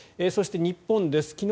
そして、日本です。